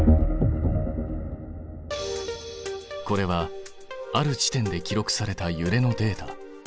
これはある地点で記録されたゆれのデータ。